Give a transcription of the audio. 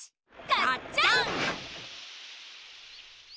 がっちゃん！